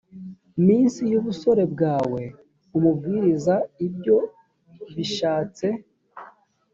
minsi y ubusore bwawe umubwiriza ibyo bishatse